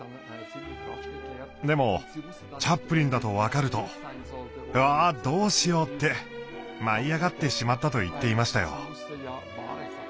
でもチャップリンだと分かると「うわどうしよう」って舞い上がってしまったと言っていましたよ。